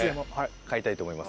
買いたいと思います